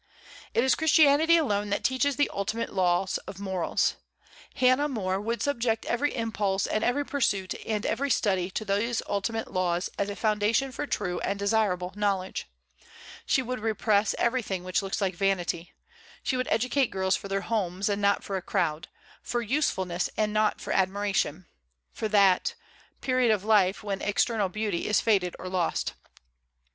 It is Christianity alone that teaches the ultimate laws of morals. Hannah More would subject every impulse and every pursuit and every study to these ultimate laws as a foundation for true and desirable knowledge. She would repress everything which looks like vanity. She would educate girls for their homes, and not for a crowd; for usefulness, and not for admiration; for that; period of life when external beauty is faded or lost.